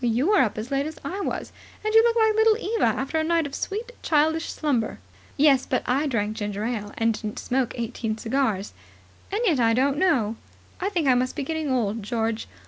"You were up as late as I was, and you look like Little Eva after a night of sweet, childish slumber." "Yes, but I drank ginger ale, and didn't smoke eighteen cigars. And yet, I don't know. I think I must be getting old, George.